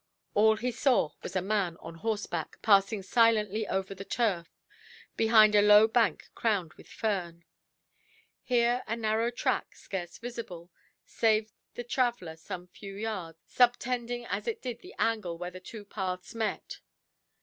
All he saw was a man on horseback, passing silently over the turf, behind a low bank crowned with fern. Here a narrow track, scarce visible, saved the traveller some few yards, subtending as it did the angle where the two paths met.